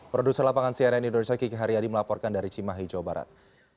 produser lapangan cnn indonesia kiki haryadi melaporkan dari cimahi jawa barat